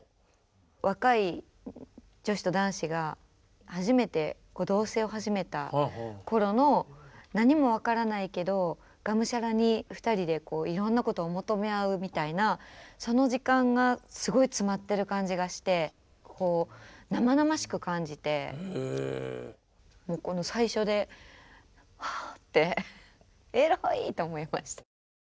若い女子と男子が初めて同棲を始めた頃の何も分からないけどがむしゃらに２人でいろんなことを求め合うみたいなその時間がすごい詰まってる感じがして生々しく感じてこの最初ではあってエロいと思いました。